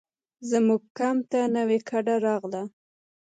زموږ کمپ ته نوې کډه راغله.